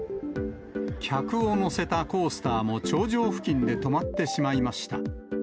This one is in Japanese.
客を乗せたコースターも頂上付近で止まってしまいました。